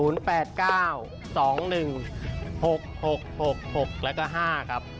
๖แล้วก็๕ครับ